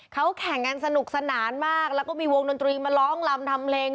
เขาแข่งกันสนุกสนานมากแล้วก็มีวงดนตรีมาร้องลำทำเพลง